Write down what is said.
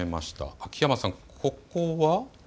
秋山さん、ここは？